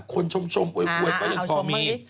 คนชมอวยก็ยังพอมี